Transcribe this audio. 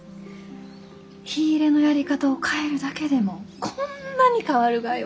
火入れのやり方を変えるだけでもこんなに変わるがよ。